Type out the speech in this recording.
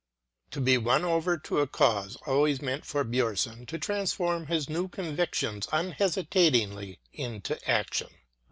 To be won over to a cause always meant for Bjornson to transform his new convictions unhesi tatingly into action.